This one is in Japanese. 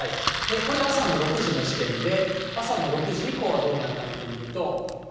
これが朝の６時の時点で、朝の６時以降はどうなるか見てみると。